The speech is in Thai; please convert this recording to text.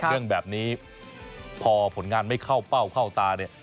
เรื่องแบบนี้พอผลงานไม่เข้าเป้าเข้าตาเนี่ย